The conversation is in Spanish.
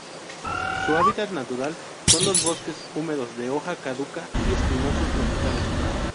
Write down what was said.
Su hábitat natural son los bosques húmedos, de hoja caduca, y espinosos tropicales.